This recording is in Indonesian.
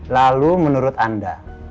lalu menurut anda